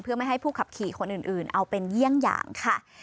เพื่อไม่ให้ผู้ขับขี่คนอื่นเอาเป็นเยี่ยงอย่างค่ะ